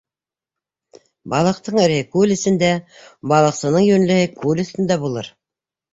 Балыҡтың эреһе - күл эсендә, балыҡсының йүнлеһе күл өҫтөндә булыр.